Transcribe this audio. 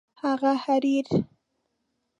هغه حریر